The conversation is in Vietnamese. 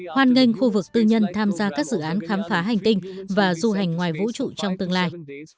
hoan nghênh khu vực tư nhân tham gia các dự án khám phá hành tinh và du hành ngoài vũ trụ trong tương lai